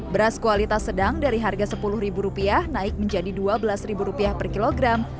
beras kualitas sedang dari harga rp sepuluh naik menjadi rp dua belas per kilogram